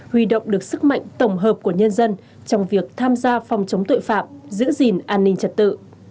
huy động được sức mạnh tổng hợp của nhân dân trong việc tham gia phòng chống tội phạm giữ gìn an ninh trật tự